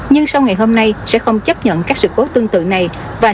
nhưng sau ngày hôm nay sẽ không chấp nhận các sự cố tương tự này